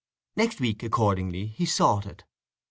The next week accordingly he sought it.